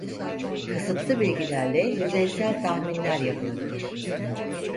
Kısıtlı bilgilerle yüzeysel tahminler yapılabilir.